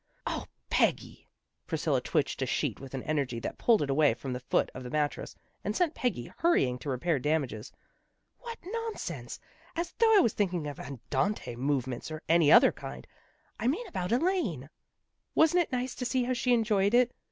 O, Peggy! " Priscilla twitched a sheet with an energy that pulled it away from the foot of the mattress, and sent Peggy hurry ing to repair damages. " What nonsense! As though I was thinking of andante move ments, or any other kind. I mean about Elaine." " Wasn't it nice to see how she enjoyed it?